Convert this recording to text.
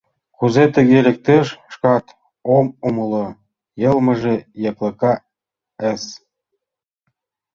Кузе тыге лектеш, шкат ом умыло, йылмыже яклака-с.